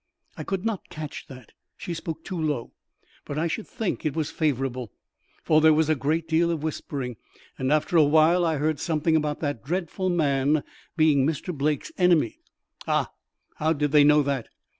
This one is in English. "I could not catch that; she spoke too low. But I should think it was favourable, for there was a great deal of whispering, and after a while I heard something about that dreadful man being Mr. Blake's enemy." "Ah! How did they know that?"